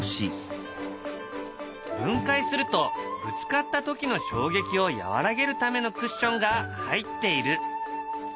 分解するとぶつかった時の衝撃を和らげるためのクッションが入っている。